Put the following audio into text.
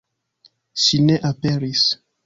Ŝi ne aperis.